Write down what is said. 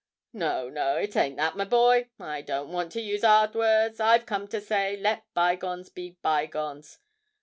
'No, no, it ain't that, my boy. I don't want to use 'ard words. I've come to say, let bygones be bygones.